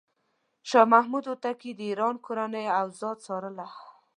شاه محمود هوتکی د ایران کورنۍ اوضاع څارله.